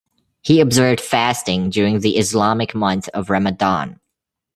He observed fasting during the Islamic month of Ramadan.